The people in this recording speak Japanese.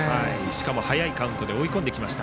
しかも早いカウントで追い込んできました。